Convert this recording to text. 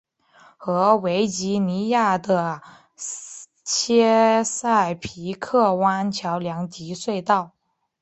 和维吉尼亚的切塞皮克湾桥梁及隧道。